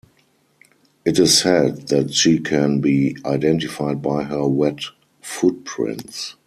It is said that she can be identified by her wet footprints.